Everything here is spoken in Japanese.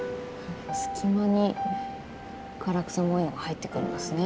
隙間に唐草模様が入ってくんですね。